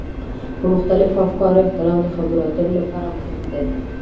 د مختلفو افکارو احترام د خبرو اترو لپاره مهم دی.